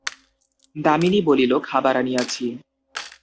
দামিনী বলিল, খাবার আনিয়াছি।